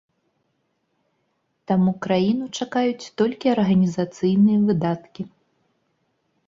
Таму краіну чакаюць толькі арганізацыйныя выдаткі.